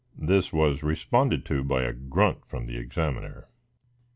This was responded to by a grunt from the examiner.